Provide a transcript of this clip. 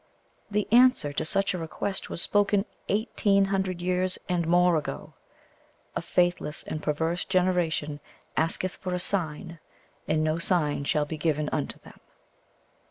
The answer to such a request was spoken eighteen hundred years and more ago. "A faithless and perverse generation asketh for a sign, and no sign shall be given unto them."